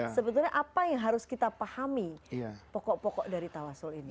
sebetulnya apa yang harus kita pahami pokok pokok dari tawasul ini